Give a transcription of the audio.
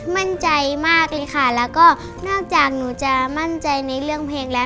มั่นใจมากเลยค่ะแล้วก็นอกจากหนูจะมั่นใจในเรื่องเพลงแล้ว